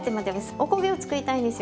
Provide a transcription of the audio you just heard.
おこげを作りたいんですよ。